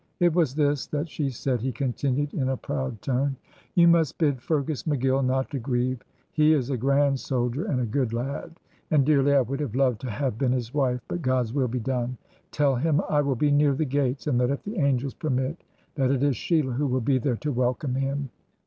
"It was this that she said," he continued, in a proud tone, "'You must bid Fergus McGill not to grieve; he is a grand soldier and a good lad, and dearly I would have loved to have been his wife. But God's will be done. Tell him I will be near the gates; and that if the angels permit, that it is Sheila who will be there to welcome him.'"